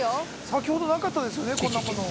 先ほどなかったですよねこんなもの。